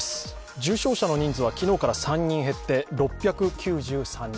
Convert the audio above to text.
重症者の人数は昨日から３人減って６９３人。